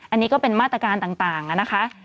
อันนี้ก็เป็นมาตรการต่างนะคะ